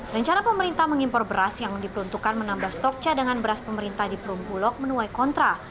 rencana pemerintah mengimpor beras yang diperuntukkan menambah stok cadangan beras pemerintah di perumbulok menuai kontra